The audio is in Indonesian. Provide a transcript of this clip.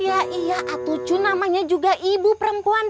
iya iya atucu namanya juga ibu perempuan